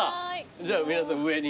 じゃあ皆さん上に。